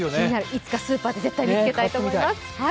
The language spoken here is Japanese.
いつかスーパーで絶対見つけたいと思います。